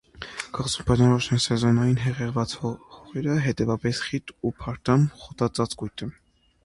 Կղզուն բնորոշ են սեզոնային հեղեղված հողերը, հետևապես՝ խիտ ու փարթամ խոտածածկույթը։